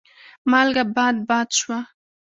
مالګه باد باد شوه.